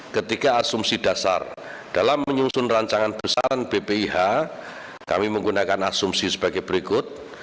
ketika asumsi dasar dalam menyusun rancangan besaran bpih kami menggunakan asumsi sebagai berikut